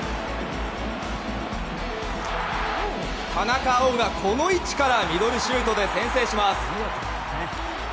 田中碧が、この位置からミドルシュートで先制します。